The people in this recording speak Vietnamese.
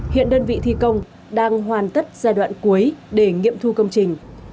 hiện đơn vị thi công đang hoàn tất giai đoạn cuối để nghiệm thu công trình